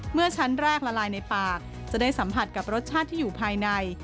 เมื่อชั้นแรกละลายในปากจะได้สัมผัสกับรสชาติที่อยู่ภายใน